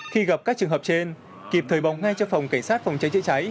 khi gặp các trường hợp trên kịp thời bóng ngay cho phòng cảnh sát phòng trái trữ trái